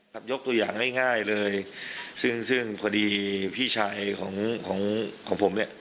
ขับยกตัวอย่างง่ายเลยซึ่งพอดีพี่ชายของผมเนี่ย